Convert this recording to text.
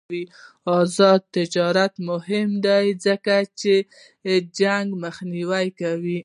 آزاد تجارت مهم دی ځکه چې جنګ مخنیوی کوي.